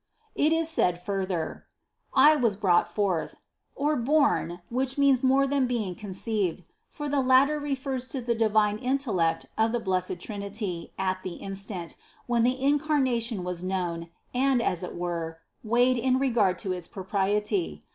62. It is further said: "I was brought forth" or born, which means more than being conceived; for the latter refers to the divine intellect of the Blessed Trinity at the instant, when the Incarnation was known and, as it were, weighed in regard to its propriety.